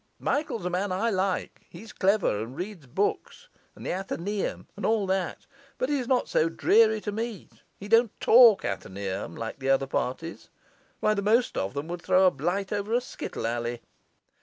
Michael's a man I like; he's clever and reads books, and the Athaeneum, and all that; but he's not dreary to meet, he don't talk Athaeneum like the other parties; why, the most of them would throw a blight over a skittle alley!